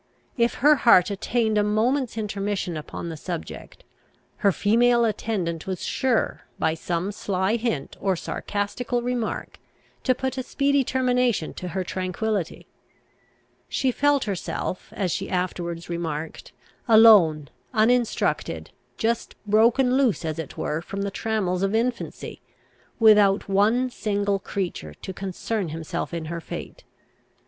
If her heart attained a moment's intermission upon the subject, her female attendant was sure, by some sly hint or sarcastical remark, to put a speedy termination to her tranquillity. She felt herself, as she afterwards remarked, alone, uninstructed, just broken loose, as it were, from the trammels of infancy, without one single creature to concern himself in her fate.